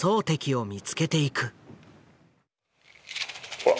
ほら。